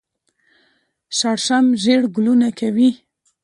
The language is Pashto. شړشم ژیړ ګلونه کوي